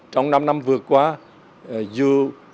trong năm năm vừa qua dù